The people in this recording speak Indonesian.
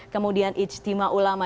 kemudian ijtima ulama